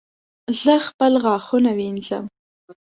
زه خپل غاښونه وینځم